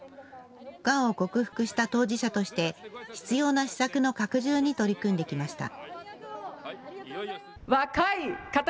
がんを克服した当事者として必要な施策の拡充に取り組んできました。